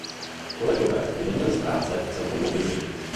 Kolegové by neměli ztrácet celkovou vizi.